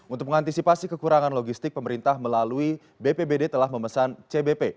untuk mengantisipasi kekurangan logistik pemerintah melalui bpbd telah memesan cbp